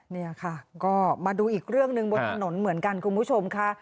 นี่ค่ะก็มาดูอีกเรื่องหนึ่งบนถนนเหมือนกันคุณผู้ชมค่ะ